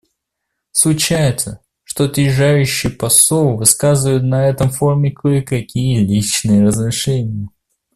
Случается, что отъезжающий посол высказывает на этом форуме кое-какие личные размышления.